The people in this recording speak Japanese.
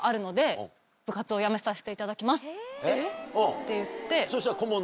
って言って。